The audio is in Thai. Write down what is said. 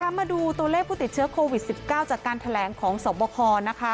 มาดูตัวเลขผู้ติดเชื้อโควิด๑๙จากการแถลงของสวบคนะคะ